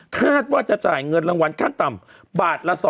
คาดว่าจะจ่ายเงินรางวัลขั้นต่ำบาทละ๒๐๐